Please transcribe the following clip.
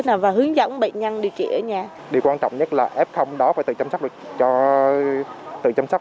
thế nào và hướng dẫn bệnh nhân điều trị ở nhà điều quan trọng nhất là f đó phải tự chăm sóc